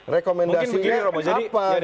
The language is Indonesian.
rekomendasi ini apa